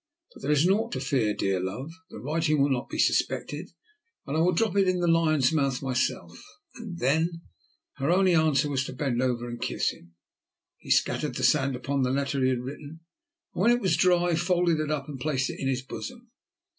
"But there is nought to fear, dear love. The writing will not be suspected, and I will drop it in the Lion's Mouth myself, and then?" Her only answer was to bend over him and kiss him. He scattered the sand upon the letter he had written, and when it was dry, folded it up and placed it in his bosom.